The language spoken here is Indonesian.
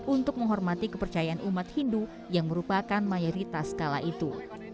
untuk menghormati kepercayaan umat hindu yang merupakan mayoritas kala itu